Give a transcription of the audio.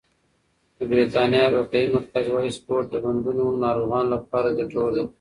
د بریتانیا روغتیايي مرکز وايي سپورت د بندونو ناروغانو لپاره ګټور دی.